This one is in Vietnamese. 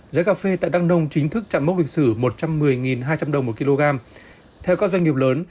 giá cà phê tại đăng nông chính thức chạm mốc lịch sử một trăm một mươi hai trăm linh đồng một kg theo các doanh nghiệp lớn